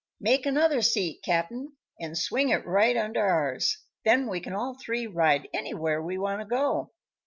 "Make another seat, Cap'n, and swing it right under ours; then we can all three ride anywhere we want to go."